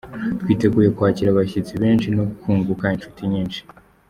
Twiteguye kwakira abashyitsi benshi no kunguka inshuti nyinshi.